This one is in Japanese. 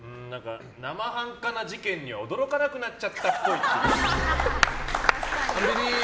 生半可な事件には驚かなくなっちゃったっぽい。